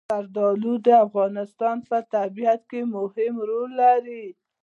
زردالو د افغانستان په طبیعت کې مهم رول لري.